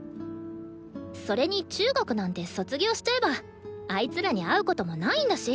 それに中学なんて卒業しちゃえばあいつらに会うこともないんだし。